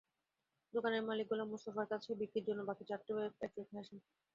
দোকানের মালিক গোলাম মোস্তফার কাছে বিক্রির জন্য বাকি চারটি ব্যাট রেখে আসেন।